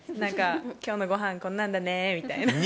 今日のごはんこんなんだねみたいな。